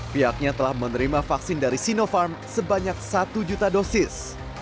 pihaknya telah menerima vaksin dari sinopharm sebanyak satu juta dosis